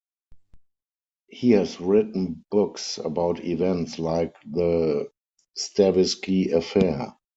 He has written books about events like the Stavisky Affair.